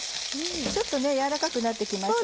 ちょっと軟らかくなって来ました